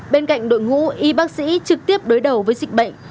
bên cạnh đội ngũ y bác sĩ trực tiếp đối đầu với dịch bệnh